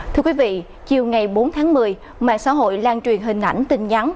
thưa quý vị chiều ngày bốn tháng một mươi mạng xã hội lan truyền hình ảnh tình nhắn